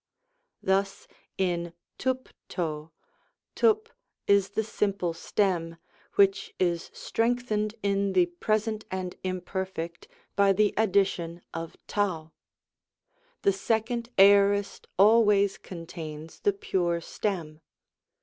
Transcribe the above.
Thus, in tvttt w, tvtt is the simple stem, which is strengthened in the Pres. and Imperf. by the addition of t. The second Aorist always contains the pure stem.